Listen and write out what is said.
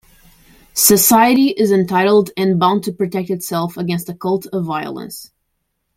Society is entitled and bound to protect itself against a cult of violence.